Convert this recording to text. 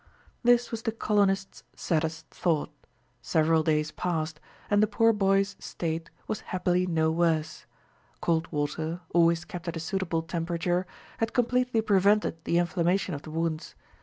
This was the colonists' saddest thought. Several days passed, and the poor boy's state was happily no worse. Cold water, always kept at a suitable temperature, had completely prevented the inflammation of the wounds.